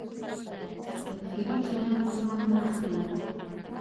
تکفیري چلند ورباندې حاکم و.